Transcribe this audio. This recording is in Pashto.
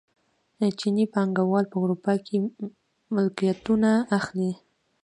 چیني پانګوال په اروپا کې ملکیتونه اخلي.